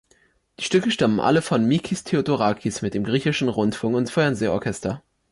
Die Stücke stammen alle von Mikis Theodorakis mit dem Griechischen Rundfunk- und Fernsehorchester.